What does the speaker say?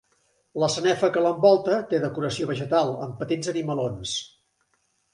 La sanefa que l'envolta té decoració vegetal, amb petits animalons.